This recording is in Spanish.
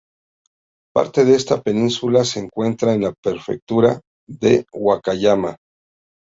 Parte de esta península se encuentra en la prefectura de Wakayama.